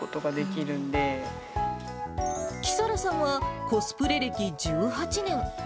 きさらさんはコスプレ歴１８年。